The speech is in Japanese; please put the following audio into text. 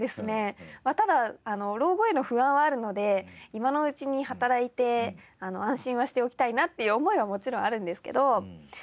ただ老後への不安はあるので今のうちに働いて安心はしておきたいなっていう思いはもちろんあるんですけど。